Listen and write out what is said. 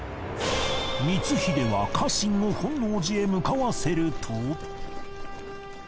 光秀は家臣を本能寺へ向かわせると。